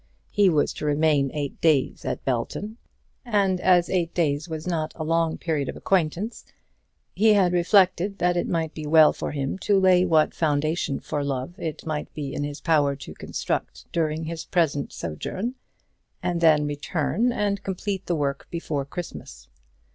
He was to remain eight days at Belton, and as eight days was not a long period of acquaintance, he had reflected that it might be well for him to lay what foundation for love it might be in his power to construct during his present sojourn, and then return and complete the work before Christmas.